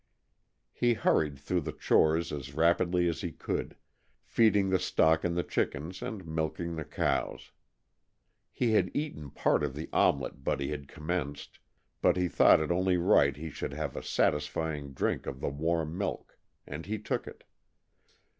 He hurried through the chores as rapidly as he could, feeding the stock and the chickens and milking the cows. He had eaten part of the omelet Buddy had commenced, but he thought it only right he should have a satisfying drink of the warm milk, and he took it.